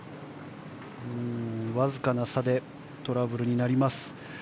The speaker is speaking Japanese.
わずかな差でトラブルになります。